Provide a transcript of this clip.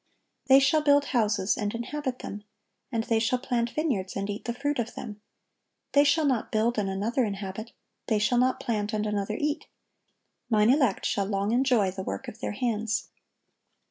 "They shall build houses, and inhabit them; and they shall plant vineyards, and eat the fruit of them, They shall not build, and another inhabit; they shalt not plant, and another eat:... Mine elect shall long enjoy the work of their hands."